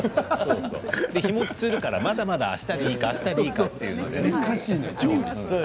日もちするからまだまだあしたでいいか、あしたでいいかって。